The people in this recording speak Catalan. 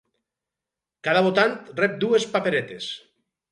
Cada votant rep dues paperetes.